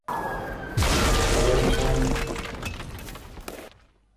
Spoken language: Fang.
Ñkwel ô fôn.